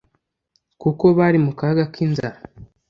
kuko bari mu kaga k'inzara